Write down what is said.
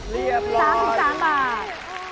เรียบร้อยโอ้โฮอีก